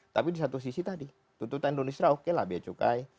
tapi di satu sisi tadi tututan indonesia oke lah biaya cukai